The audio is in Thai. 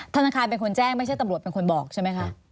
ธนาคารเป็นคนแจ้งไม่ใช่ตำรวจเป็นคนบอกใช่ไหมคะ